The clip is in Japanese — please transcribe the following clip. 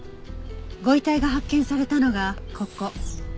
ご遺体が発見されたのがここ。